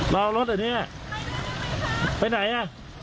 รอรถอยู่เนี้ยไปไหนอ่ะ